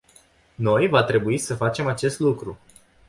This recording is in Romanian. Noi va trebui să facem acest lucru.